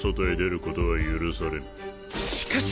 しかし！